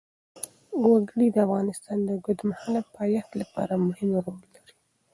وګړي د افغانستان د اوږدمهاله پایښت لپاره مهم رول لري.